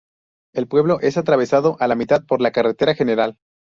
El pueblo es atravesado a la mitad por la carretera general.